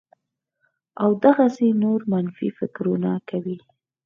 او دغسې نور منفي فکرونه کوي